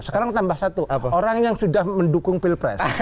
sekarang tambah satu orang yang sudah mendukung pilpres